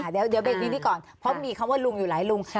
เดี๋ยวเบรกนี้ก่อนเพราะมีคำว่าลุงอยู่หลายลุง